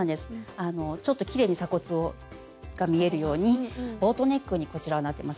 ちょっときれいに鎖骨が見えるようにボートネックにこちらはなってます。